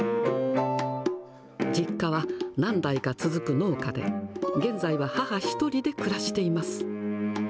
実家は何代か続く農家で、現在は母１人で暮らしています。